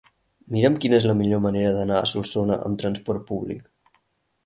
Mira'm quina és la millor manera d'anar a Solsona amb trasport públic.